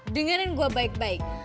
dengerin gue baik baik